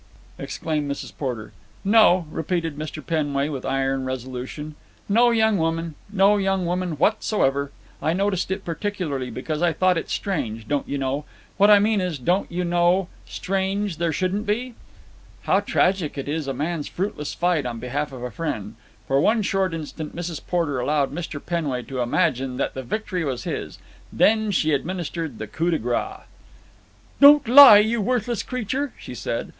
exclaimed Mrs. Porter. "No," repeated Mr. Penway with iron resolution. "No young woman. No young woman whatsoever. I noticed it particularly, because I thought it strange, don't you know—what I mean is, don't you know, strange there shouldn't be!" How tragic is a man's fruitless fight on behalf of a friend! For one short instant Mrs. Porter allowed Mr. Penway to imagine that the victory was his, then she administered the coup de grace. "Don't lie, you worthless creature," she said.